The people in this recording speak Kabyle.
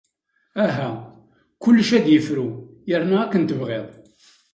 Aha, kullec ad yefru yerna akken tebɣiḍ.